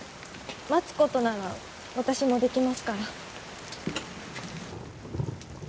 待つことなら私もできますから。